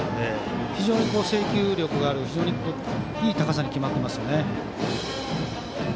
非常に制球力があっていい高さに決まっていますね。